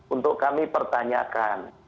untuk kami pertanyakan